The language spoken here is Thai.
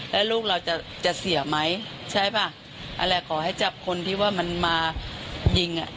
แล้วลูกเราจะจะเสียไหมใช่ป่ะอะไรขอให้จับคนที่ว่ามันมายิงอ่ะ